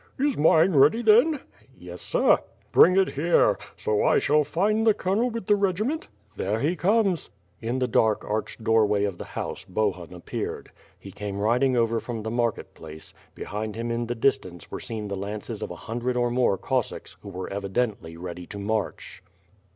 "Is mine ready then?" "Yes, bit:' WITH FIRE AND 8W0RD. 217 "Bring it here! So I shall find the colonel with the regi ment r "There he comes!" In the dark arched doorway of the house, Bohun appeared. He came riding over from the market place; behind him in the distance were seen the lances of a hundred or more Cos sacks, who were evidently ready to march.